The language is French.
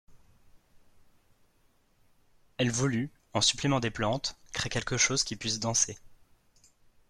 Elle voulut, en supplément des plantes, créer quelque chose qui puisse danser.